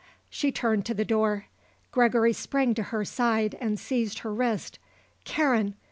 She turned to the door. Gregory sprang to her side and seized her wrist. "Karen!